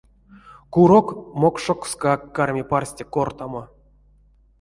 Курок мокшокскак карми парсте кортамо.